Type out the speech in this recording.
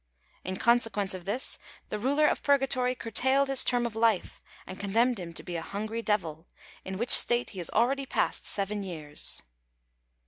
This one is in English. In consequence of this, the Ruler of Purgatory curtailed his term of life, and condemned him to become a hungry devil, in which state he has already passed seven years.